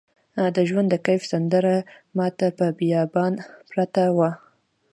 د ژوند د کیف سندره ماته په بیابان پرته وه